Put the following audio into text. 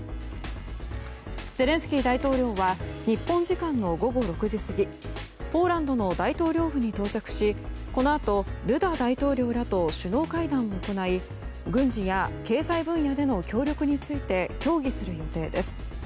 ゼレンスキー大統領は日本時間の午後６時過ぎポーランドの大統領府に到着しこのあとドゥダ大統領らと首脳会談を行い軍事や経済分野での協力について協議する予定です。